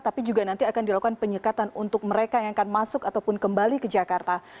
tapi juga nanti akan dilakukan penyekatan untuk mereka yang akan masuk ataupun kembali ke jakarta